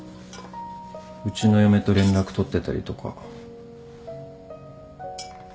うちの嫁と連絡取ってたりとか。